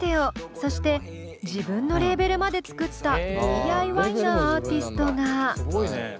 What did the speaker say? そして自分のレーベルまで作ったＤＩＹなアーティストが。